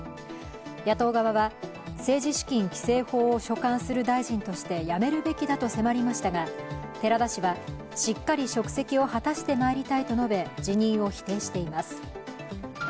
野党側は政治資金規正法を所管する大臣として辞めるべきだと迫りましたが寺田氏はしっかり職責を果たしてまいりたいと述べ、辞任を否定しています。